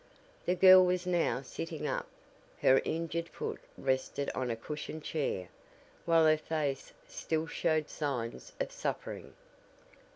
The girl was now sitting up; her injured foot rested on a cushioned chair, while her face still showed signs of suffering.